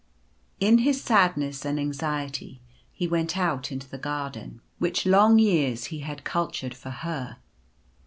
In his sadness and anxiety he went out into the gar I 34 Early Love. den which long years he had cultured for Her.